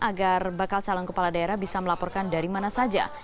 agar bakal calon kepala daerah bisa melaporkan dari mana saja